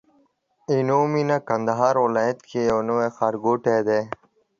عينو مينه کندهار ولايت کي يو نوي ښارګوټي دي